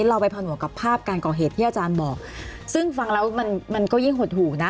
เราไปผนวกกับภาพการก่อเหตุที่อาจารย์บอกซึ่งฟังแล้วมันมันก็ยิ่งหดหูนะ